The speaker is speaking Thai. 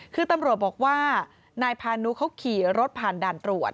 คือตำรวจบอกว่านายพานุเขาขี่รถผ่านด่านตรวจ